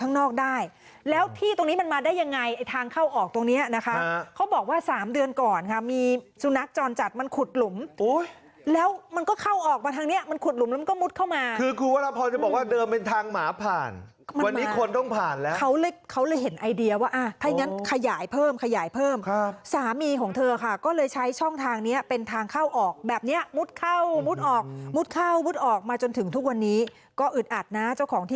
ขวดหลุมแล้วมันก็เข้าออกมาทางนี้มันขวดหลุมแล้วมันก็มุดเข้ามาคือคือเวลาพอจะบอกว่าเดิมเป็นทางหมาผ่านวันนี้คนต้องผ่านแล้วเขาเลยเห็นไอเดียว่าถ้าอย่างนั้นขยายเพิ่มขยายเพิ่มสามีของเธอค่ะก็เลยใช้ช่องทางนี้เป็นทางเข้าออกแบบนี้มุดเข้ามุดออกมุดเข้ามุดออกมาจนถึงทุกวันนี้ก็อึดอัดนะเจ้าของท